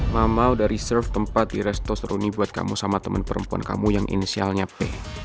mama udah reserve tempat di restorany buat kamu sama teman perempuan kamu yang inisialnya p